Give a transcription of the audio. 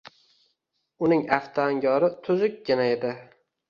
Uning afti angori tuzukkina edi